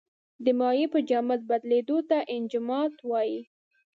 د مایع په جامد بدلیدو ته انجماد وايي.